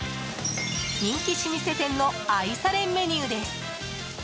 人気老舗店の愛されメニューです。